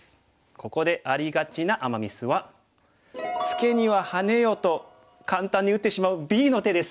ここでありがちなアマ・ミスはツケにはハネよと簡単に打ってしまうＢの手です。